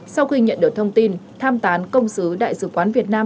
sau khi nhận được thông tin tham tán công sứ đại sứ quán việt nam